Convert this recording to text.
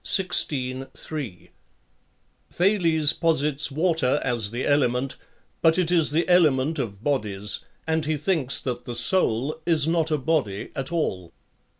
2—Thales posits water as the element, but it is the element of bodies, and he thinks that the soul is not a body at all.